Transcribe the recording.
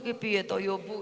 hai estas mbak